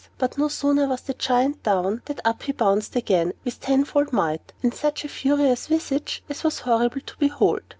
But no sooner was the Giant down, than up he bounced again, with tenfold might, and such a furious visage as was horrible to behold.